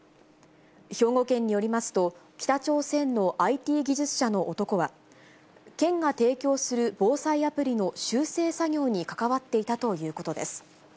兵庫県によりますと、北朝鮮のＩＴ技術者の男は、県が提供する防災アプリの修正作業に関わっていたということです。